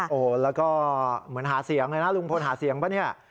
โอ้โหแล้วก็เหมือนหาเสียงเลยนะลุงพลหาเสียงป่ะเนี่ย